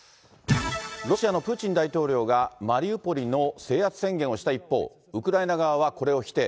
ロシアのプーチン大統領がマリウポリの制圧宣言をした一方、ウクライナ側はこれを否定。